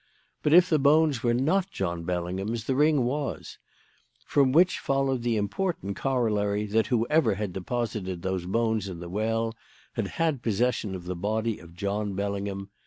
But if the bones were not John Bellingham's, the ring was; from which followed the important corollary that whoever had deposited those bones in the well had had possession of the body of John Bellingham.